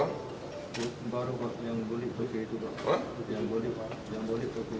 yang beli pak yang beli truk itu